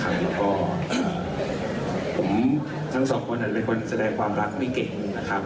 แล้วก็ผมทั้งสองคนเป็นคนแสดงความรักไม่เก่งนะครับ